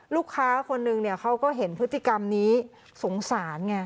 ลูกค้าคนนึงเขาก็เห็นพฤติกรรมนี้สงสารไง